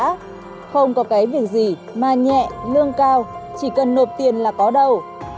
cao học giáo sư trước đã không có cái việc gì mà nhẹ lương cao chỉ cần nộp tiền là có đâu